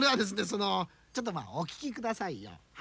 そのちょっとまあお聞き下さいよ。